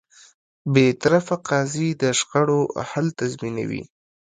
بېطرفه قاضی د شخړو حل تضمینوي.